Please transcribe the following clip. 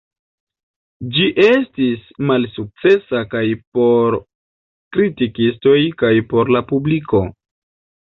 Ĝi estis malsukcesa kaj por kritikistoj kaj por la publiko.